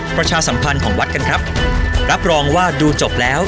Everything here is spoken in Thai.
ประชาสัมพันธ์ของวัดกันครับรับรองว่าดูจบแล้ว